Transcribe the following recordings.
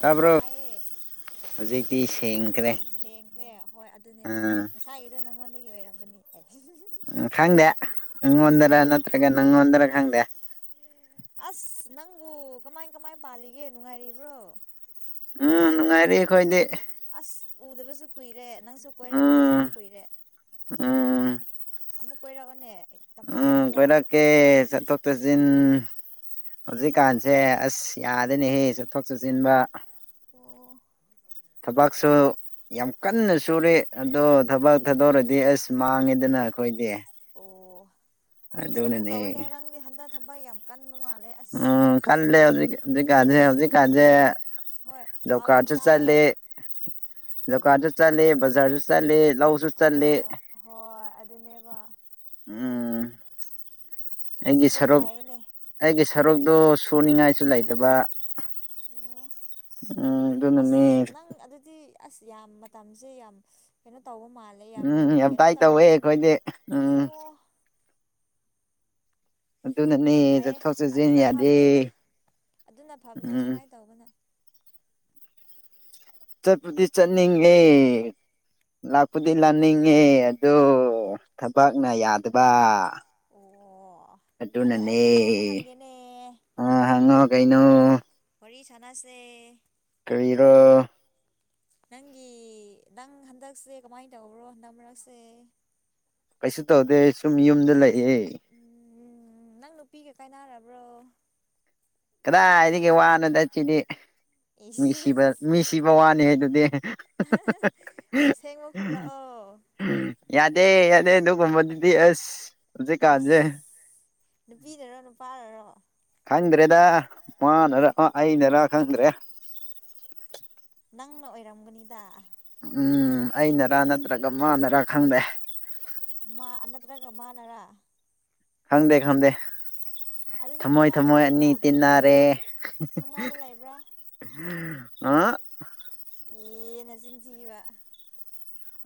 ꯇꯥꯕ꯭ꯔꯣ ꯑꯩ ꯍꯧꯖꯤꯛꯇꯤ ꯍꯧꯖꯤꯛꯤ ꯁꯦꯡꯈ꯭ꯔꯦ ꯁꯦꯡꯈ꯭ꯔꯦ ꯍꯣꯏ ꯑꯗꯨꯅꯦꯕ ꯑꯥ ꯉꯥꯏ ꯊꯥꯏꯌꯦꯗꯣ ꯅꯉꯣꯟꯗꯒꯤ ꯑꯣꯏꯔꯝꯒꯅꯤ ꯎ ꯈꯪꯗꯦ ꯏꯪꯣꯗꯔ ꯅꯠꯇ꯭ꯔꯒ ꯅꯪꯣꯗꯔ ꯈꯪꯗꯦ ꯑꯁ ꯅꯪꯕꯨ ꯀꯃꯥꯏ ꯀꯃꯥꯏ ꯄꯥꯜꯂꯤꯒꯦ ꯅꯨꯡꯉꯥꯏꯔꯤꯕ꯭ꯔꯣ ꯎꯝ ꯅꯨꯡꯉꯥꯏꯔꯤ ꯑꯩꯈꯣꯏꯗꯤ ꯑꯁ ꯎꯗꯕꯁꯨ ꯀꯨꯏꯔꯦ ꯅꯪꯁꯨ ꯀꯣꯏꯔꯛꯇꯕꯁꯨ ꯑꯃꯨꯛ ꯀꯨꯏꯔꯦ ꯑ ꯑꯃꯨꯛ ꯀꯣꯏꯔꯛꯑꯅꯦ ꯇꯝꯄꯥꯛꯂꯣꯝꯗ ꯀꯦ ꯆꯠꯊꫭꯛ ꯆꯖꯤꯟ ꯍꯧꯖꯤꯛꯀꯥꯟꯁꯦ ꯑꯁ ꯌꯥꯗꯅꯦꯍꯦ ꯆꯠꯊꯣꯛ ꯆꯠꯁꯤꯟꯕ ꯑꯣ [unintelligible] [inaudible] ꯊꯕꯛꯁꯨ ꯌꯥꯝ ꯀꯟꯅ ꯁꯨꯔꯦ ꯑꯗꯣ ꯊꯕꯛ ꯊꯥꯗꯧꯔꯗꯤ ꯑꯁ ꯃꯥꯡꯉꯦꯗꯅ ꯑꯩꯈꯣꯏꯗꯤ ꯑꯣ ꯑꯗꯨꯁꯨ ꯑꯃꯨꯛ ꯑꯗꯨꯅꯅꯦ ꯇꯧꯋꯦꯅꯦ ꯅꯪꯗꯤ ꯍꯟꯗꯛ ꯊꯕꯛ ꯌꯥꯝ ꯀꯟꯕ ꯃꯥꯜꯂꯦ ꯑꯁ ꯎꯝ ꯀꯜꯂꯦ ꯍꯧꯖꯤꯛ ꯍꯧꯖꯤꯛꯀꯥꯟꯁꯦ ꯍꯧꯖꯤꯛꯀꯥꯟꯁꯦ ꯍꯣꯏ ꯖꯣꯕ ꯄꯥꯎ ꯌꯥꯝ ꯀꯥꯔꯠꯁꯨ ꯇꯥꯏꯌꯦ ꯆꯠꯂꯦ ꯗꯨꯀꯥꯟꯁꯨ ꯆꯂꯦ ꯕꯖꯥꯔꯁꯨ ꯆꯠꯂꯦ ꯂꯧꯁꯨ ꯍꯣ ꯆꯠꯂꯦ ꯍꯣꯏ ꯑꯗꯨꯅꯦꯕ ꯎꯝ [unintelligible] [inaudible] ꯑꯩꯒꯤ ꯊꯕꯛ ꯁꯔꯨꯛ ꯐꯩꯌꯦꯅꯦ ꯑꯩꯒꯤ ꯁꯔꯨꯛꯇꯣ ꯁꯨꯅꯤꯡꯉꯥꯏꯁꯨ ꯂꯩꯇꯕ ꯑꯣ ꯎꯝ ꯑꯁ ꯑꯗꯨꯅꯅꯦ ꯅꯪ ꯑꯗꯨꯗꯤ ꯑꯁ ꯌꯥꯝ ꯃꯇꯝꯁꯦ ꯌꯥꯝ ꯀꯩꯅꯣ ꯇꯧꯕ ꯃꯥꯜꯂꯦ ꯂꯩ ꯌꯥꯝꯝ ꯎꯝ ꯌꯥꯝ ꯀꯩꯅꯣ ꯇꯥꯏ ꯇꯧꯋꯦ ꯇꯧꯔꯝꯒꯅꯤ ꯑꯩꯈꯣꯏꯗꯤ ꯎꯝ ꯑꯣ ꯑꯗꯨꯅꯅꯦ ꯌꯥꯝ ꯐꯩꯌꯦ ꯆꯠꯊꯣꯛ ꯆꯠꯁꯤꯟ ꯑꯗꯨꯅ ꯌꯥꯗꯦ ꯐꯕꯅꯦꯗ ꯑꯗꯨꯅ ꯐꯕꯅꯦ ꯎꯝ ꯁꯨꯃꯥꯏꯅ ꯇꯧꯕꯅ ꯆꯠꯄꯗꯤ ꯆꯠꯅꯤꯡꯒꯦ ꯂꯥꯛꯄꯨꯗꯤ ꯂꯅꯤꯡꯉꯤ ꯑꯗꯨ ꯊꯕꯛꯅ ꯌꯥꯗꯕ ꯑꯣ ꯑꯣ ꯑꯗꯣ ꯑꯩ ꯑꯗꯨꯅꯅꯦ ꯀꯩꯅꯣꯝꯃ ꯍꯪꯒꯦꯅꯦ ꯑ ꯍꯪꯉꯣ ꯀꯩꯅꯣ ꯍꯔꯤ ꯊꯅꯥꯥꯁꯦ ꯀꯔꯤꯔꯣ ꯅꯪꯒꯤ ꯅꯪ ꯍꯟꯗꯛꯁꯦ ꯀꯃꯥꯏꯅ ꯇꯧꯕ꯭ꯔꯣ ꯍꯟꯗꯛ ꯃꯔꯛꯁꯦ ꯀꯩꯁꯨ ꯇꯧꯗꯦ ꯁꯨꯝ ꯌꯨꯝꯗ ꯂꯩꯑ ꯎꯝ ꯅꯪ ꯅꯨꯄꯤꯒ ꯀꯥꯏꯅꯔꯕ꯭ꯔꯣ ꯀꯗꯥꯏꯗꯒꯤ ꯋꯥꯅꯣꯗ ꯁꯤꯗꯤ ꯃꯤ ꯏꯁ ꯁꯤꯕ ꯃꯤ ꯁꯤꯕ ꯋꯥꯅꯤ ꯍꯥꯏ ꯑꯗꯨꯗꯤ ꯁꯦꯡꯃ ꯈꯣꯝꯂꯥꯛ ꯑꯣ ꯌꯥꯗꯦ ꯌꯥꯗꯦ ꯅꯗꯨ ꯀꯕꯗꯤꯗꯤ ꯑꯁ ꯍꯧꯖꯤꯛ ꯀꯥꯖꯦ ꯏꯁ ꯅꯨꯄꯤꯅꯔꯣ ꯅꯨꯄꯥꯅꯔꯣ ꯈꯪꯗ꯭ꯔꯦꯗ ꯃꯥꯅꯔ ꯑꯩꯅꯔ ꯈꯪꯗ꯭ꯔꯦ ꯅꯪꯅ ꯑꯣꯏꯔꯝꯒꯅꯤꯗ ꯎꯝ ꯑꯩꯅꯔꯥ ꯅꯠꯇ꯭ꯔꯒ ꯃꯥꯅꯔꯥ ꯈꯪꯗꯦ ꯃꯥ ꯅꯠꯇ꯭ꯔꯒ ꯃꯥꯥꯟꯅꯔꯥ ꯈꯪꯗꯦ ꯈꯪꯗꯦ ꯑꯗꯨꯗꯤ ꯊꯝꯃꯣꯏ ꯈꯪꯅꯕ ꯊꯝꯃꯣꯏ ꯑꯅꯤ ꯂꯩꯕ꯭ꯔꯥ ꯇꯤꯟꯅꯔꯦ ꯈꯪꯅꯕ ꯂꯩꯕ꯭ꯔꯥ ꯑ [unintelligible] [inaudible] ꯑꯦꯅ ꯆꯤꯡꯊꯤꯕ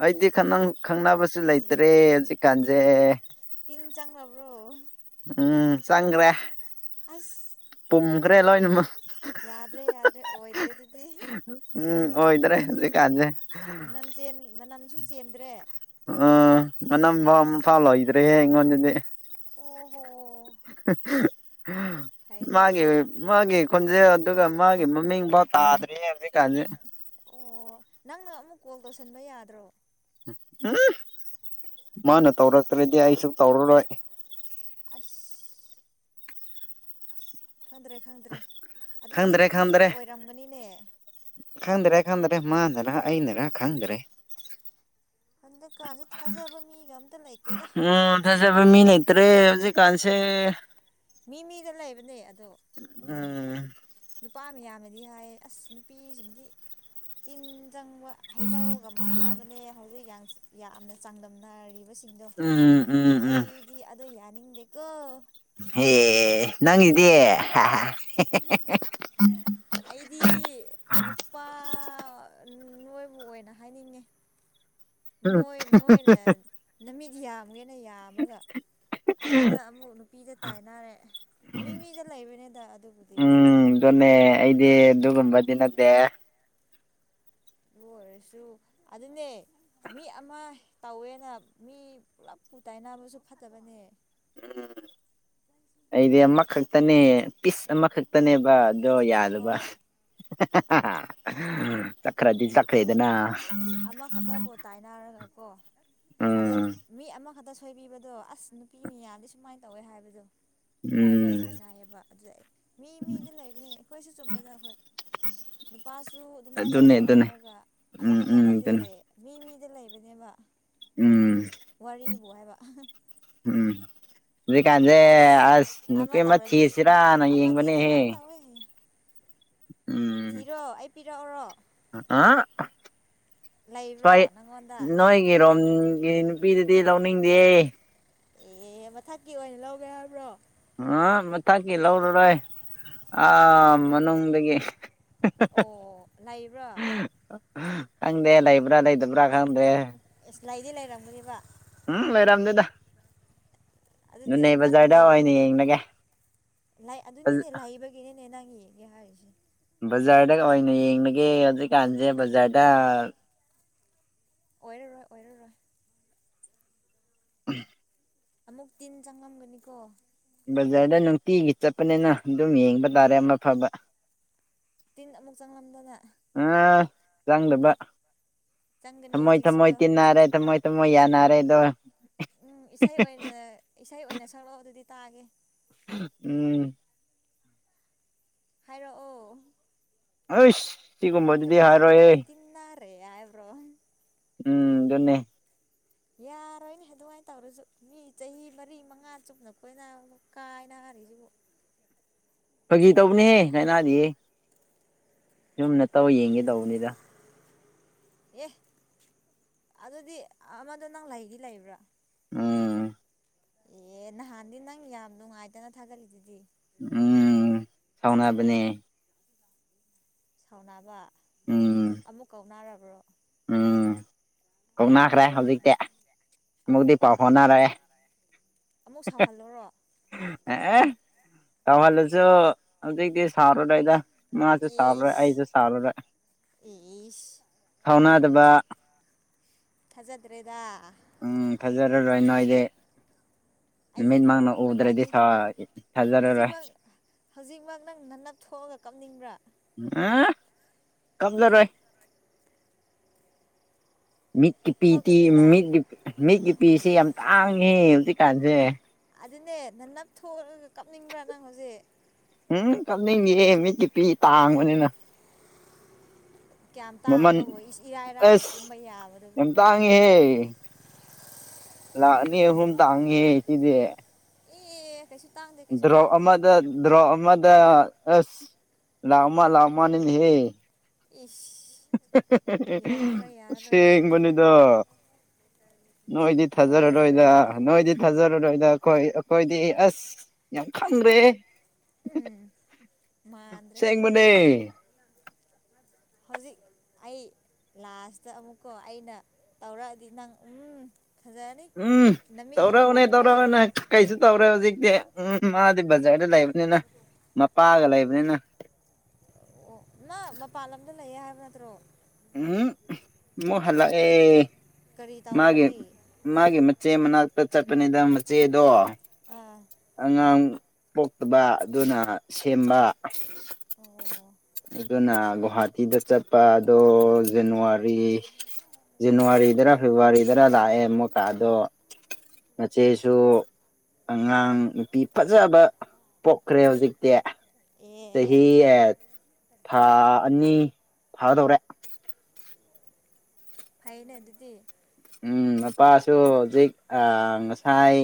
ꯑꯩꯗꯤ ꯈꯪꯅꯕꯁꯨ ꯂꯩꯇ꯭ꯔꯦ ꯍꯧꯖꯤꯛꯀꯥꯟꯁꯦ ꯇꯤꯟ ꯆꯥꯡ ꯅꯝꯕ꯭ꯔꯣ ꯎꯝ ꯆꯪꯒ꯭ꯔꯦ ꯑꯁ ꯌꯥꯗ꯭ꯔꯦ ꯂꯣꯏꯅꯃꯛ ꯌꯥꯗ꯭ꯔꯦ ꯌꯥꯗ꯭ꯔꯦ ꯑꯣꯏꯗ꯭ꯔꯦ ꯑꯗꯨ ꯇꯤ ꯎꯝ ꯑꯣꯏꯗ꯭ꯔꯦ ꯍꯧꯖꯤꯛꯀꯥꯟꯁꯦ ꯃꯅꯝ ꯆꯦꯟ ꯃꯅꯝꯁꯨ ꯆꯦꯟꯗ꯭ꯔꯦ ꯑ ꯃꯅꯝ ꯑꯁ ꯐꯥ ꯂꯣꯏꯗꯔ‌ꯦ ꯑꯩꯉꫭꯟꯗꯗꯤ [unintelligible] ꯑꯣ ꯍꯣ ꯐꯩꯅꯦ ꯃꯥꯒꯤ ꯃꯥꯒꯤ ꯈꯣꯟꯖꯦꯜ ꯑꯗꯨꯒ ꯃꯥꯒꯤ ꯃꯃꯤꯡ ꯇꯥꯗ꯭ꯔꯤ ꯍꯧꯖꯤꯛ ꯀꯥꯟꯖꯤ ꯑꯣ ꯅꯪꯅ ꯑꯃꯨꯛ ꯀꯣꯜ ꯇꯧꯁꯟꯕ ꯌꯥꯗ꯭ꯔꯣ ꯎꯝ ꯃꯥꯅ ꯇꯧꯔꯛꯇ꯭ꯔꯗꯤ ꯑꯩꯁꯨ ꯇꯧꯔꯔꯣꯏ ꯑꯁ ꯈꯪꯗ꯭ꯔꯦ ꯈꯪꯗ꯭ꯔꯦ ꯑꯗꯨꯗꯤ ꯅꯨꯄꯤꯅ ꯑꯣꯏꯔꯝꯒꯅꯤꯅꯦ ꯈꯪꯗꯔꯦ ꯈꯪꯗꯔꯦ ꯃꯥꯅꯔꯥ ꯑꯩꯅꯔꯥ ꯈꯪꯗ꯭ꯔꯦ ꯍꯟꯗꯛꯀꯥꯟꯁꯦ ꯊꯥꯖꯕ ꯃꯤꯒ ꯑꯝꯇ ꯂꯩꯇꯦꯗ ꯎꯝ ꯊꯥꯖꯕ ꯃꯤ ꯂꯩꯇ꯭ꯔꯦ ꯍꯧꯖꯤꯛ ꯀꯥꯟꯁꯦ ꯃꯤ ꯃꯤꯗ ꯂꯩꯕꯅꯦ ꯑꯗꯣ ꯎꯝ ꯅꯨꯄꯥ ꯃꯌꯥꯝꯅꯗꯤ ꯍꯥꯏꯌ‌ꯦ ꯑꯁ ꯅꯨꯄꯤꯁꯤꯡꯗꯤ ꯇꯤꯟ ꯆꯪꯕ ꯍꯩꯅꯧꯒ ꯃꯥꯟꯅꯕꯅꯦ ꯍꯧꯖꯤꯛ ꯌꯥꯝꯅ ꯆꯥꯡꯗꯝꯅꯔꯤ ꯁꯤꯡꯗꯣ ꯎꯝ ꯎꯝ ꯑꯩꯗꯤ ꯑꯗꯣ ꯌꯥꯅꯤꯡꯗꯦꯀꯣ ꯍ‌ꯦ ꯅꯪꯒꯤꯗꯤ ꯑꯩꯗꯤ ꯅꯨꯄꯥ ꯅꯣꯏꯕꯨ ꯑꯣꯏꯅ ꯍꯥꯏꯅꯤꯡꯉꯦ ꯎꯝ ꯅꫭꯏ ꯅꯣꯏꯅ ꯅꯨꯃꯤꯠ ꯌꯥꯝꯒꯦꯅ ꯌꯥꯝꯃꯒ ꯑꯃꯗ ꯑꯃꯨꯛ ꯅꯨꯄꯤꯗ ꯇꯥꯏꯅꯔꯦ ꯃꯤ ꯃꯤꯗ ꯂꯩꯕꯅꯤꯗ ꯑꯗꯨꯕꯨꯗꯤ ꯑꯗꯨꯅꯦ ꯑꯩꯗꯤ ꯑꯗꯨꯒꯨꯝꯕꯗꯤ ꯅꯠꯇꯦ ꯑꯗꯨ ꯑꯣꯏꯔꯁꯨ ꯑꯗꯨꯅꯦ ꯃꯤ ꯑꯃ ꯇꯧꯋꯦꯅ ꯃꯤ ꯄꯨꯂꯞ ꯄꯨ ꯇꯥꯏꯅꯕꯁꯨ ꯐꯠꯇꯕꯅꯦ ꯎꯝ ꯑꯩꯗꯤ ꯑꯃꯈꯛꯇꯅꯦ ꯄꯤꯁ ꯑꯃꯈꯛ ꯆꯠꯄꯅꯦꯕ ꯑꯗꯣ ꯌꯥꯗꯕ ꯍꯣꯏ ꯈꯔꯗꯤ ꯆꯥꯛꯈꯔ‌ꯦꯗꯅ ꯀꫭꯏꯅꯔꯒ ꯀꫭ ꯑꯗ ꯃꯤ ꯑꯃ ꯈꯛꯇ ꯁꯨ ꯊꯣꯏꯕꯤꯕꯗꯣ ꯑꯁ ꯅꯨꯄꯤ ꯃꯌꯥꯗꯤ ꯁꯨꯃꯥꯏꯅ ꯇꯧꯋꯦ ꯍꯥꯏꯕꯗꯣ ꯁꯨꯃꯥꯏꯅ ꯂꯣꯏ ꯎꯝ ꯍꯥꯏꯅꯌꯦꯕ ꯑꯗꯨꯗ ꯑꯩ ꯃꯤ ꯃꯤꯗꯤ ꯂꯩꯕꯅꯦ ꯑꯩꯈꯣꯏꯁꯨ ꯆꯨꯝꯃꯦꯗ ꯍꫭꯏ ꯅꯨꯄꯥꯁꯨ ꯑꯗꯨꯃꯥꯏꯅ ꯑꯗꯨꯅꯦ ꯇꯧꯋꯦ ꯑꯗꯨꯅꯦ ꯍꯥꯏꯔꯒ ꯎꯝ ꯑꯃꯈꯛꯇ ꯎꯝ ꯅꯠꯇꯦ ꯑꯗꯨꯅꯦ ꯃꯤ ꯃꯤꯗ ꯂꯩꯕꯅꯦꯕ ꯎꯝ ꯋꯥꯔꯤꯕꯨ ꯍꯥꯏꯕ ꯎꯝ ꯍꯧꯖꯤꯛꯀꯥꯟꯁꯦ ꯑꯁ ꯅꯨꯄꯤ ꯑꯃ ꯇꯧꯔꯗꯤ ꯅꯨꯄꯥ ꯊꯤꯔꯁꯤꯔꯅ ꯑꯃꯗꯤ ꯌꯦꯡꯕꯅꯦꯍꯦ ꯑꯗꯨꯃꯥꯏꯅ ꯇꯧꯋꯦ [unintelligible] ꯎꯝ ꯊꯤꯔꯣ ꯑꯩ ꯄꯤꯔꯛꯎꫭꯔꯣ ꯑ ꯁ ꯂꯩꯕ꯭ꯔꯣ ꯅꯪꯉꯣꯟꯗ ꯅꯣꯏ [unintelligible] ꯒꯤꯔꯣꯝꯒꯤ ꯅꯨꯄꯤꯗꯗꯤ ꯂꯧꯅꯤꯡꯗꯦ ꯑꯦ ꯃꯊꯛꯀꯤ ꯑꯣꯏꯅ ꯂꯧꯒꯦ ꯍꯥꯏꯕ꯭ꯔꯣ ꯍꯨꯛ ꯃꯊꯛꯀꯤ ꯂꯧꯔꯔꯣꯏ ꯑꯥ ꯃꯅꯨꯡꯗꯒꯤ ꯑꯣ ꯂꯩꯕ꯭ꯔꯥ ꯈꯪꯗꯦ ꯂꯩꯕ꯭ꯔꯥ ꯂꯩꯇꯕ꯭ꯔꯥ ꯈꯪꯗꯦ ꯑꯦꯁ ꯂꯩꯥꯏꯗꯤ ꯂꯩꯔꯝꯒꯅꯤꯕ ꯎꯝ ꯂꯩꯔꯝꯗꯦꯗ ꯑꯗꯨꯗꯤ ꯅꯣꯅꯦ ꯅꯪ ꯕꯖꯥꯔꯗ ꯑꯣꯏꯅ ꯂꯩꯕꯒꯤ ꯌꯦꯡꯂꯒꯦ ꯑꯗꯨꯅꯤꯅꯦ ꯂꯩꯕꯒꯤꯅꯤꯅꯦ ꯅꯪ ꯌꯦꯡꯒꯦ ꯍꯥꯏꯔꯤꯁꯦ ꯕꯖꯥꯔꯗ ꯑꯣꯏꯅ ꯌꯦꯡꯅꯒꯦ ꯍꯧꯖꯤꯛꯀꯥꯟꯁꯦ ꯕꯖꯥꯔꯗ ꯑꯣꯏꯔꯔꯣꯏ ꯑꯣꯏꯔꯔꯣꯏ ꯎꯝ [unintelligible] ꯑꯃꯨꯛ ꯇꯤꯟ ꯆꯪꯉꯂꯝꯒꯅꯤꯀꯣ ꯕꯖꯥꯔꯗ ꯅꯨꯡꯇꯤꯒꯤ ꯆꯠꯄꯅꯤꯅ ꯑꯗꯨꯝ ꯌꯦꯡꯕ ꯇꯥꯔꯦ ꯑꯃ ꯐꯕ ꯇꯤꯟ ꯑꯃꯨꯛ ꯆꯪꯂꯝꯗꯅ ꯑꯥ ꯆꯪꯗꯕ ꯆꯪꯒꯅꯤ ꯊꯝꯃꯣꯏ ꯊꯝꯃꯣꯏ ꯆꯦꯛꯁꯤꯜꯂꯣ ꯇꯤꯟꯅꯔꯦ ꯊꯝꯃꯣꯏ ꯃꫭꯏ ꯌꯥꯅꯔꯦꯗꯣ ꯎꯝ ꯏꯁꯩ ꯑꯣꯏꯅ ꯏꯁꯩ ꯑꯣꯏꯅ ꯁꯛꯂꯛꯑꯣ ꯑꯗꯨꯗꯤ ꯇꯥꯒꯦ ꯎꯝ ꯍꯥꯏꯔꯛꯑꯣ ꯍꯥꯖ ꯊꯝꯃꯣꯏ ꯊꯝꯃꯣꯏ ꯇꯤꯟꯟꯅꯔꯦ ꯍꯥꯏꯕ꯭ꯔꯣ ꯎꯝ ꯑꯗꯨꯅꯦ ꯌꯥꯔꯣꯏꯅꯦ ꯑꯗꯨꯃꯥꯏꯅ ꯇꯧꯔꯁꯨ ꯃꯤ ꯆꯍꯤ ꯃꯔꯤ ꯃꯉꯥ ꯆꯨꯞꯅ ꯀꯣꯏꯅ ꯃꯨꯛ ꯀꯥꯏꯅꯔꯤꯁꯤꯕꯨ ꯐꯥꯒꯤ ꯇꯧꯕꯅꯦꯍꯦ ꯂꯥꯏꯅꯥꯗꯤꯌꯀ ꯁꯨꯝ ꯅꯠꯇꯧ ꯌꯦꯡꯒꯦ ꯇꯧꯕꯅꯤꯗ ꯑꯦ ꯑꯗꯨꯗꯤ ꯑꯃꯗꯣ ꯅꯪ ꯂꯩꯗꯤ ꯂꯩꯕ꯭ꯔꯥ ꯎꯝ ꯑꯦ ꯅꯍꯥꯟꯗꯤ ꯅꯪ ꯌꯥꯝ ꯅꯨꯡꯉꯥꯏꯗꯅ ꯊꯥꯒꯠꯂꯤꯗꯨꯗꯤ ꯎꯝ ꯁꯥꯎꯅꯥꯕꯅꯦ ꯁꯥꯎꯅꯕ ꯎꯝ ꯑꯃꯨꯛ ꯀꯧꯅꯔꯕ꯭ꯔꯣ ꯎꯝ ꯀꯧꯅꯈ꯭ꯔꯦ ꯑꯃꯨꯛ ꯍꯧꯖꯤꯛꯇꯤ ꯑꯃꯨꯛ ꯑꯃꯨꯛꯇꯤ ꯄꯥꯎ ꯑꯃꯨꯛ ꯍꯣꯅꯔꯛꯑꯦ ꯑꯃꯨꯛ ꯁꯥꯎꯍꯜꯂꯨꯔꯣ ꯑꯦ ꯁꯥꯎꯍꯜꯂꯁꯨ ꯍꯧꯖꯤꯛꯗꯤ ꯁꯥꯎꯔꯔꯣꯗ ꯏꯁ ꯏꯁ ꯐꯥꯎꯅꯥꯗꯕ ꯊꯥꯖꯗ꯭ꯔꯦꯗ ꯎꯝ ꯐꯖꯔꯔꯣꯏ ꯅꯣꯏꯗꯤ ꯑꯩꯗꯤ ꯅꯨꯃꯤꯠ ꯃꯥꯛꯅ ꯎꯗ꯭ꯔꯗꯤ ꯅꯕꯥꯅꯤ ꯊꯥꯖꯔꯔꯣꯏ ꯍꯧꯖꯤꯛꯃꯛ ꯍꯧꯖꯤꯛꯃꯛ ꯅꯪ ꯅꯅꯞ ꯊꯣꯛꯑꯒ ꯀꯞꯅꯤꯡꯕ꯭ꯔꯥ ꯑ ꯀꯞꯂꯔꯣꯏ ꯃꯤꯠꯀꯤ ꯄꯤ ꯇꯤ ꯊꯣꯛꯀꯅꯤꯗ ꯃꯤꯠ ꯃꯤꯠꯀꯤꯄꯤꯁꯦ ꯌꯥꯝ ꯇꯥꯡꯉꯦ ꯍꯧꯖꯤꯛꯀꯥꯟꯁꯦ ꯑꯗꯨꯅꯦ ꯅ ꯅꯞꯊꯑꯒ ꯀꯞꯅꯤꯡꯕ꯭ꯔꯥ ꯅꯪ ꯍꯧꯖꯤꯛ ꯎꯝ ꯀꯅꯤꯡꯉꯦ ꯃꯤꯠꯀꯤ ꯄꯤ ꯇꯥꯡꯕꯅꯤꯅ ꯀꯌꯥꯝ ꯃꯃꯜ ꯇꯥꯡꯕꯕꯨ ꯏꯔꯥꯏꯔꯥꯏꯅ ꯀꯨꯝꯕ ꯌꯥꯕꯗꯨꯕꯨ ꯇꯥꯡꯍꯦ ꯂꯥꯛꯅꯤ ꯑꯍꯨꯝ ꯇꯥꯡꯍꯦ ꯁꯤꯗꯤ ꯑꯦ ꯀꯩꯁꯨ ꯇꯥꯡꯗꯦ ꯀꯩꯁꯨ ꯗ꯭ꯔꯣꯞ ꯇꯥꯡꯗꯦ ꯑꯃꯗ ꯗ꯭ꯔꯣꯞ ꯑꯃꯗ ꯑꯁ ꯂꯥꯛ ꯑꯃ ꯂꯥꯛ ꯑꯃ ꯅꯤꯅꯦꯍꯦ ꯏꯁ ꯌꯥꯔꯔꯣꯏ ꯌꯥꯔꯔꯣꯏ ꯑꯗꯨꯗꯤ ꯑꯁꯦꯡꯕꯅꯤꯗ ꯅꯣꯏꯗꯤ ꯊꯥꯖꯔꯔꯣꯏꯗ ꯑꯣꯏꯔꯣꯏꯗꯕ ꯅꯣꯏꯗꯤ ꯊꯥꯖꯔꯔꯣꯏꯗ ꯑꯩꯈꯣꯏ ꯑꯩꯈꯣꯏꯗꯤ ꯑꯁ ꯌꯥꯝ ꯈꯪꯈ꯭ꯔꯦ ꯎꯝ ꯃꯥꯗ꯭ꯔꯦ ꯑꯁꯦꯡꯕꯅꯦ ꯍꯧꯖꯤꯛ ꯑꯩ ꯂꯥꯁꯇ ꯑꯃꯨꯛꯀꯣ ꯑꯩꯅ ꯇꯧꯔꯛꯑꯗꯤ ꯅꯪ ꯎꯝ ꯐꯖꯔꯅꯤ ꯎꯝ ꯅꯨꯃꯤꯠꯀ ꯇꯧꯔꯛꯎꯅꯦ ꯄꯣꯝꯈꯩ ꯇꯧꯔꯛꯎꯅꯦ ꯀꯩꯁꯨ ꯇꯧꯔꯦ ꯍꯧꯖꯤꯛꯇꯤ ꯎꯝ ꯃꯥꯗꯤ ꯕꯖꯥꯔꯗ ꯂꯩꯕꯅꯤꯅ ꯃꯄꯥꯒ ꯂꯩꯕꯅꯤꯅ ꯑꯣ ꯅ ꯃꯄꯥꯟ ꯂꯝꯗ ꯂꯩꯌꯦ ꯍꯥꯏꯕ ꯅꯠꯇ꯭ꯔꯣ ꯎꯝ ꯃꯨꯛ ꯍꯜꯂꯛ ꯑꯦ ꯀꯔꯤ ꯃꯥꯒꯦ ꯇꯧꯕꯒꯤ ꯃꯥꯒꯤ ꯃꯆꯦ ꯃꯅꯥꯛꯇ ꯆꯠꯄꯅꯤꯗ ꯃꯆꯦꯗꯣ ꯑꯥ ꯑꯉꯥꯡ ꯄꯣꯛꯇꯕ ꯑꯗꯨꯅ ꯁꯦꯝꯕ ꯑꯣ꯫ ꯑꯗꯨꯅ ꯒꯨꯍꯥꯇꯤꯗ ꯆꯠꯄ ꯑꯗꯣ ꯖꯅꯋꯥꯔꯤ꯫ ꯖꯅꯋꯥꯔꯤꯗꯔ ꯐꯦꯕꯋꯥꯔꯤꯗꯔ ꯂꯥꯛꯑꯦ ꯃꯨꯛ ꯀꯥꯗꯣ꯫ ꯃꯆꯦꯁꯨ꯫ ꯑꯉꯥꯡ ꯅꯨꯄꯤ ꯐꯖꯕ ꯄꯣꯛꯈ꯭ꯔꯦ ꯍꯧꯖꯤꯛꯇꯤ꯫ ꯑꯦ ꯆꯍꯤ ꯊꯥ ꯑꯅꯤ ꯐꯥꯗꯧꯔꯦ꯫ ꯐꯩꯅꯦ ꯑꯗꯨꯗꯤ꯫ ꯎ ꯅꯨꯄꯥꯁꯨ ꯍꯧꯖꯤꯛ ꯉꯁꯥꯏ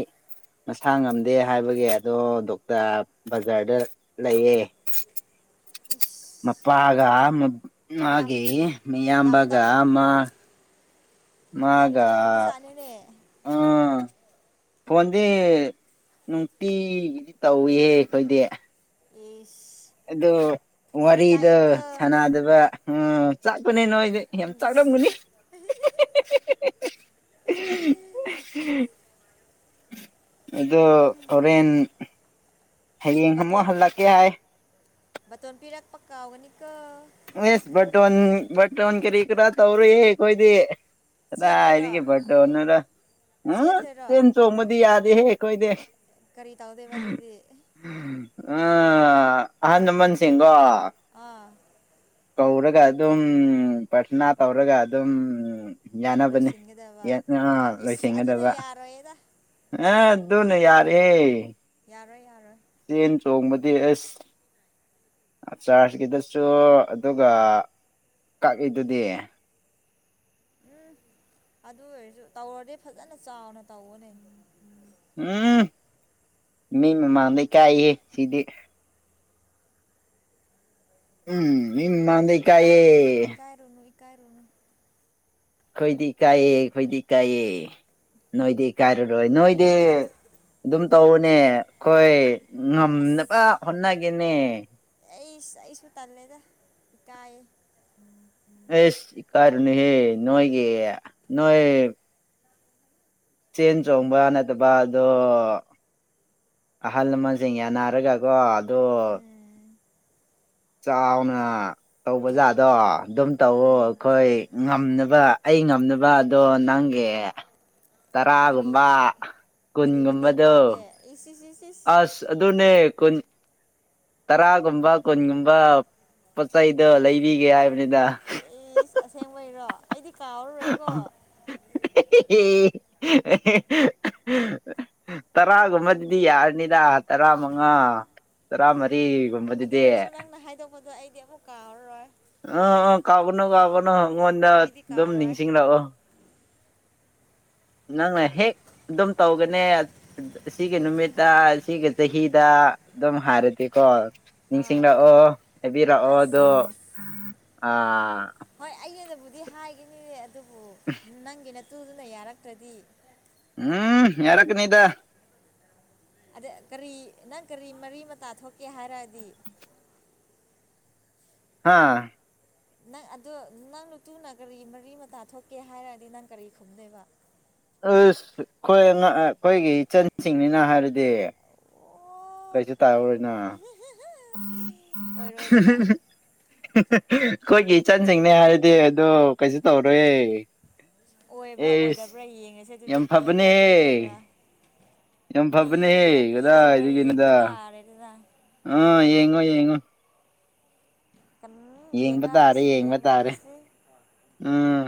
ꯃꯁꯥ ꯉꯝꯗꯦ꯫ ꯗꯦ ꯍꯥꯏꯕꯒꯤ ꯑꯗꯣ ꯗꯣꯛꯇꯔ ꯕꯖꯥꯔꯗ ꯂꯩꯌꯦ꯫ ꯏꯁ ꯃꯄꯥꯒ ꯌꯥꯝ ꯃꯥꯒꯤ ꯌꯥꯝ ꯃꯤꯌꯥꯝꯕꯒ ꯇꯧ ꯃꯥ꯫ ꯌꯥꯝ ꯃꯥꯒ ꯇꯧꯔꯝꯕꯖꯥꯠꯅꯤꯅꯦ ꯎꯝ꯫ ꯐꯣꯟꯗꯤ ꯅꯨꯡꯇꯤꯒꯤꯗꯤ ꯇꯧꯏ ꯑꯩꯈꯣꯏꯗꯤ꯫ ꯏꯁ꯫ ꯑꯗꯣ ꯋꯥꯔꯤꯗ ꯆꯥꯛꯑꯦꯀꯣ ꯁꯥꯟꯅꯗꯕ ꯎ ꯆꯥꯛꯄꯅꯦ ꯅꯣꯏ꯫ ꯅꯣꯏ ꯌꯥꯝ ꯆꯥꯛꯔꯝꯒꯅꯤ꯫ ꯑꯗꯣ ꯍꯣꯔꯦꯟ ꯍꯌꯦꯡ ꯑꯃꯛ ꯍꯜꯂꯛꯀꯦ ꯍꯥꯏ꯫ ꯃꯇꯣꯟ ꯄꯤꯔꯛꯄ ꯀꯥꯎꯒꯅꯤ ꯀꯣ꯫ [unintelligible] ꯕꯔꯇꯣꯟ ꯀꯦꯔꯤ ꯀ꯭ꯔ ꯇꯋꯥꯔ ꯌꯦ ꯀꯣꯏꯗꯦ꯫ ꯆꯦꯟꯗꯣꯏꯔꯣ ꯀꯗꯥꯏꯗꯒꯤ ꯕꯔꯇꯣꯟꯅꯣꯗ꯫ ꯎꯝ ꯆꯦꯟꯗꯣꯏꯔꯣ ꯆꯦꯟ ꯆꯣꯡꯕꯗꯤ ꯌꯥꯗꯦꯍꯦ ꯑꯩꯏꯗꯦ꯫ ꯀꯔꯤ ꯇꯧꯗꯦꯕ ꯑꯗꯨꯗꯤ꯫ ꯎꯝ ꯑꯍꯥꯟꯂꯃꯟ ꯁꯤꯒꯣ꯫ ꯑꯥ꯫ ꯀꯧꯔꯒ ꯑꯗꯨꯝ ꯄꯔꯊꯅꯥ ꯇꯧꯔꯒ ꯑꯗꯨꯝ꯫ ꯌꯥꯅꯕꯅꯦ ꯂꯣꯏꯁꯤꯟꯒꯗꯕ ꯏꯁ ꯑꯗꯨꯅ ꯂꯣꯏꯁꯤꯟꯒꯗꯕ꯫ ꯌꯥꯔꯣꯏꯗ ꯑ ꯑꯗꯨꯅ ꯌꯥꯔꯦ꯫ ꯌꯥꯔꯣꯏ ꯌꯥꯔꯣꯏ꯫ ꯆꯦꯟ ꯆꯣꯡꯕꯗꯤ ꯑꯦꯁ ꯑꯆꯥꯔꯖꯀꯤꯗꯁꯨ꯫ ꯑꯗꯨꯒ ꯀꯛꯏꯗꯨꯗꯤ꯫ ꯎꯝ ꯑꯗꯨ ꯑꯣꯏꯔꯁꯨ ꯇꯧꯔꯗꯤ ꯐꯖꯅ ꯆꯥꯎꯅ ꯇꯧꯕꯅꯦ꯫ ꯎꯝ ꯃꯤ ꯃꯃꯥꯡꯗ ꯏꯀꯥꯏꯍꯦ ꯁꯤꯗꯤ꯫ ꯎꯝ ꯃꯤ ꯃꯥꯃꯥꯡꯗ ꯏꯀꯥꯏꯌꯦ꯫ ꯔꯨꯅꯨ ꯏꯀꯥꯏꯔꯨꯅꯨ꯫ ꯈꯣꯏꯗꯤ ꯀꯥꯏꯑꯌꯦ ꯈꯣꯏꯗꯤ ꯀꯥꯏꯑꯦ꯫ ꯅꯣꯏꯗꯤ ꯏꯀꯥꯏꯔꯔꯣꯏ ꯅꯣꯏꯗꯤ ꯑꯗꯨꯝ ꯇꯧꯅꯦ ꯑꯩꯈꯣꯏ꯫ ꯉꯝꯅꯕ ꯍꯣꯠꯅꯒꯦꯅꯦ꯫ ꯑꯩ ꯑꯩꯁꯨ ꯇꯜꯂꯦꯗ ꯏꯀꯥꯏꯌꯦ꯫ ꯎꯝ ꯎꯝ꯫ ꯑꯦꯁ ꯏꯀꯥꯔꯅꯨ ꯍꯦ ꯅꯣꯏꯒꯤ ꯅꯣꯏꯣꯏ꯫ ꯆꯦꯟ ꯆꯣꯡꯕ ꯅꯠꯇꯕ ꯑꯗꯣ꯫ ꯑꯍꯜ ꯂꯃꯟꯁꯤꯡ ꯌꯥꯟꯅꯅꯥꯔꯒꯀꯣ ꯑꯗꯣ꯫ ꯎꯝ ꯆꯥꯎꯅ꯫ ꯇꯧꯕ ꯖꯥꯠꯗꯣ ꯑꯗꯨꯝ ꯇꯧꯋ ꯎꯝ ꯑꯩꯈꯣꯏ ꯉꯝꯅꯕ ꯑꯩ ꯉꯝꯅꯕꯗꯣ ꯅꯪꯒꯤ꯫ ꯀꯔꯤ ꯇꯔꯥꯒꯨꯝꯕ ꯀꯨꯟꯒꯨꯝꯕꯗꯨ꯫ ꯏ ꯁꯤ ꯁꯤꯁꯤ꯫ ꯑꯁ ꯑꯗꯨꯅꯦ ꯀꯨꯟ꯫ ꯇꯔꯥꯒꯨꯝꯕ ꯀꯨꯟꯒꯨꯝꯕ ꯄꯣꯠ ꯆꯩꯗꯣ ꯂꯩꯕꯤꯒꯦ ꯍꯥꯏꯕꯅꯤꯗ꯫ ꯑꯩ ꯑꯁꯦꯡꯕꯩꯔꯣ ꯑꯩꯗꯤ ꯀꯥꯎꯔꯨꯔꯣꯏꯀꯣ꯫ [unintelligible] ꯇꯔꯥꯒꯨꯝꯕꯗꯨꯗꯤ ꯌꯥꯔꯅꯤꯗ ꯇꯔꯥ ꯃꯉꯥ꯫ ꯎ ꯑꯗꯨ ꯑꯣꯏꯔꯁꯨ ꯅꯪꯅ ꯍꯥꯏꯗꯣꯛꯄꯗꯣ ꯑꯩꯗꯤ ꯑꯃꯨꯛ ꯀꯥꯎꯔꯔꯣꯏ ꯑꯥ ꯑꯥ ꯀꯥꯎꯒꯅꯨ ꯀꯥꯎꯒꯅꯨ ꯑꯩꯉꯣꯟꯗ ꯑꯩꯗꯤ ꯑꯗꯨꯝ ꯀꯥꯎꯔꯣꯏ ꯅꯤꯡꯁꯤꯡꯂꯛꯑꯣ ꯅꯪꯅ ꯍꯦꯛ ꯑꯗꯨꯝ ꯇꯧꯒꯅꯦ ꯁꯤꯒꯤ ꯅꯨꯃꯤꯠꯇ ꯁꯤꯒꯤ ꯆꯍꯤꯗ ꯑꯗꯨꯝ ꯍꯥꯏꯔꯗꯤꯦꯀꯣ ꯑꯥ ꯅꯤꯡꯁꯤꯡꯂꯛꯑꯣ ꯍꯥꯏꯕꯤꯔꯛꯑꯣ ꯑꯗꯣ ꯑꯁ ꯑ ꯍꯣꯏ ꯑꯩꯒꯤ ꯑꯗꯨꯕꯨꯗꯤ ꯍꯥꯏꯈꯤꯅꯤ ꯑꯗꯨꯕꯨ ꯅꯪꯒꯤꯅ ꯇꯨꯗꯨꯅ ꯌꯥꯔꯛꯇ꯭ꯔꯗꯤ ꯎꯝ ꯌꯥꯔꯀꯅꯤꯗ ꯑꯗ ꯀꯔꯤ ꯅꯪ ꯀꯔꯤ ꯃꯔꯤ ꯃꯇꯥ ꯊꯣꯛꯀꯦ ꯍꯥꯏꯔꯗꯤ ꯍꯥꯥ ꯅꯪ ꯑꯗ ꯅꯪ ꯅꯨꯇꯨꯅ ꯀꯔꯤ ꯃꯔꯤ ꯃꯇꯥ ꯊꯣꯛꯀꯦ ꯍꯥꯏꯔꯗꯤ ꯅꯪ ꯀꯔꯤ ꯈꯨꯝꯗꯣꯏꯕ ꯑꯩꯣꯏ ꯑꯩꯈꯣꯏꯒꯤ ꯏꯆꯟꯁꯤꯡꯅꯤꯅ ꯍꯥꯏꯔꯗꯤ ꯑꯣ ꯀꯩꯁꯨ ꯇꯥꯔꯔꯣꯏꯅ ꯑꯣꯏꯔꯣꯏꯗꯕ ꯑꯩꯈꯣꯏꯒꯤ ꯏꯆꯟꯁꯤꯡꯅꯦ ꯍꯥꯏꯔꯗꯤ ꯑꯗꯣ ꯀꯩꯁꯨ ꯇꯧꯔꯣꯏꯦ ꯑꯣꯏꯕ꯭ꯔꯥ ꯑꯣꯏꯗꯕ꯭ꯔꯥ ꯌꯦꯡꯉꯁꯦ ꯑꯗꯨꯗꯤ ꯌꯥꯝ ꯄꯤꯕ꯭ꯔꯥ ꯐꯕꯅꯦꯍꯦ ꯄꯤꯗꯕ꯭ꯔꯥ ꯌꯥꯝ ꯄꯤꯕ꯭ꯔꯥ ꯐꯕꯅꯦꯍꯦ ꯄꯤꯗꯕ꯭ꯔꯥ ꯌꯦꯡꯕ ꯇꯥꯔꯦꯗꯅ ꯑ ꯌꯦꯡꯉꯣ ꯌꯦꯡꯉꯣ ꯀꯟꯅ ꯌꯦꯡꯕ ꯇꯥꯔꯦ ꯌꯦꯡꯅꯔꯁꯤ ꯌꯦꯡꯕ ꯇꯥꯔꯦ ꯌꯦꯡꯅꯔꯁꯤ ꯎꯝ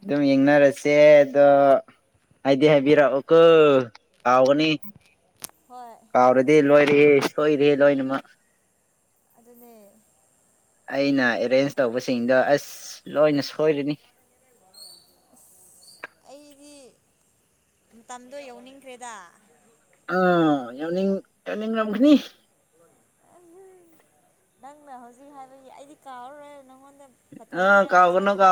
ꯑꯗꯨꯝ ꯌꯦꯡꯅꯔꯁꯦ ꯑꯗꯣ ꯑꯗꯤ ꯍꯥꯏꯕꯤꯔ ꯑꯣ ꯀꯥꯎꯒꯅꯤ ꯍꯣꯏ ꯆꯥꯎꯥꯎꯔꯗꯤ ꯂꯣꯏꯔꯦ ꯁꯣꯏꯔꯦ ꯂꯣꯏꯅꯃꯛ ꯑꯗꯨꯅꯦ ꯑꯩꯅ ꯑꯦꯔꯦꯟꯖ ꯇꯧꯕꯁꯤꯡꯗꯣ ꯑꯁ ꯂꯣꯏꯅ ꯁꯣꯏꯔꯅꯤ ꯑꯩꯗꯤ ꯃꯇꯝꯗꯣ ꯌꯧꯅꯤꯡꯈ꯭ꯔꯦꯗ ꯑꯥ ꯌꯥꯝꯅꯤꯡ ꯌꯥꯝꯅꯤꯡꯔꯝꯒꯅꯤ ꯅꯪꯅ ꯍꯧꯖꯤꯛ ꯍꯥꯏꯕꯒꯤ ꯑꯩꯗꯤ ꯀꯥꯎꯔꯔꯦ ꯅꯪꯉꯣꯟꯗ ꯠꯇ ꯋꯥꯣꯟ ꯑꯥ ꯀꯥꯎꯒꯅꯨ ꯄꯤꯔꯛꯑꯅꯤ ꯀꯥꯎꯒꯅꯨ ꯁꯣꯏꯗ꯭ꯔꯦ